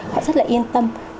họ rất là yên tĩnh